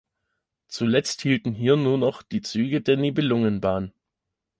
Zuletzt hielten hier nur noch die Züge der Nibelungenbahn.